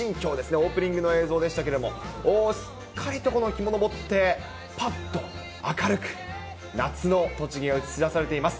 オープニングの映像でしたけれども、すっかりとこの日も昇ってぱっと明るく、夏の栃木が映し出されています。